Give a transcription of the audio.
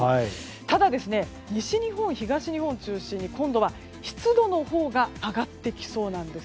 ただ、西日本、東日本を中心に今度は湿度のほうが上がってきそうなんです。